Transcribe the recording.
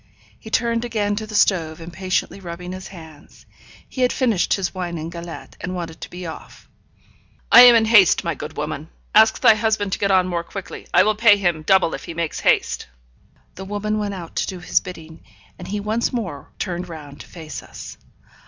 He turned again to the stove, impatiently rubbing his hands. He had finished his wine and galette, and wanted to be off. 'I am in haste, my good woman. Ask thy husband to get on more quickly. I will pay him double if he makes haste.' The woman went out to do his bidding; and he once more turned round to face us.